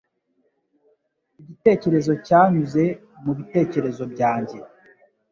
Igitekerezo cyanyuze mubitekerezo byanjye.